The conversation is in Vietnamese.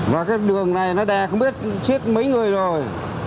và cái đường này nó đè không biết chết mấy người rồi